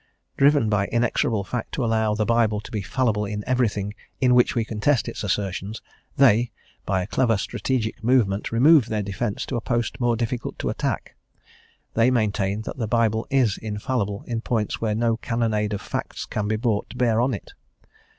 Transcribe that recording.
Driven by inexorable fact to allow the Bible to be fallible in everything in which we can test its assertions, they, by a clever strategic movement, remove their defence to a post more difficult to attack. They maintain that the Bible is infallible in points where no cannonade of facts can be brought to bear on it.